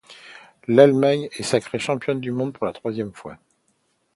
L'Allemagne est sacrée championne du monde pour la troisième fois.